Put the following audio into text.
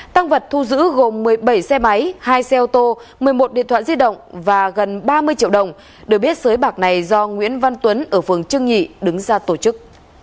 tăng vật thu giữ gồm một mươi bảy xe máy hai xe ô tô một mươi một điện thoại di động và gần ba mươi triệu đồng được biết sới bạc này do nguyễn văn tuấn ở phường trương nhị đứng ra tổ chức